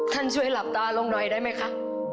ช่วยหลับตาลงหน่อยได้ไหมคะ